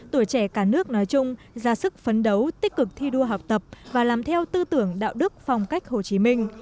tuổi trẻ cả nước nói chung ra sức phấn đấu tích cực thi đua học tập và làm theo tư tưởng đạo đức phong cách hồ chí minh